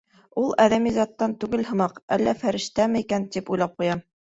Ул әҙәми заттан түгел һымаҡ, әллә фәрештәме икән, тип уйлап ҡуям.